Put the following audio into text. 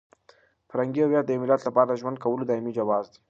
فرهنګي هویت د یو ملت لپاره د ژوند کولو دایمي جواز دی.